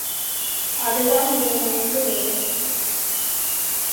அது தான் இனி நமக்கு வேலை.